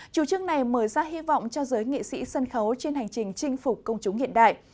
chủ trương này mở ra hy vọng cho giới nghị sĩ sân khấu trên hành trình chinh phục công chúng hiện đại